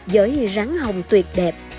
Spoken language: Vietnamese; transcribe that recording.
giới rắn hồng tuyệt đẹp